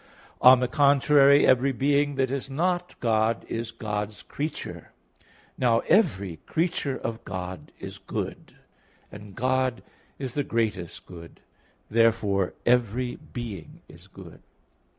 On the contrary, Every being that is not God is God's creature. Now every creature of God is good (1 Tim. 4:4): and God is the greatest good. Therefore every being is good.